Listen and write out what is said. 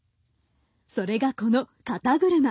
それが、この肩車。